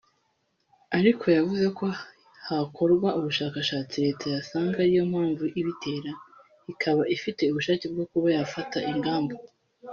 ariko yavuze ko hakorwa ubushakashatsi Leta yasanga ari yo mpamvu ibitera ikaba ifite ubushake bwo kuba yafata ingamba